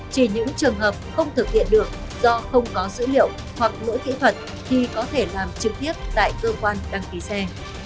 chỉ những trường hợp không thực hiện được do không có dữ liệu hoặc lỗi kỹ thuật thì có thể làm trực tiếp tại cơ quan đăng ký xe